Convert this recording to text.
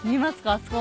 あそこ。